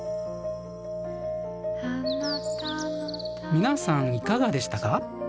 皆さんいかがでしたか？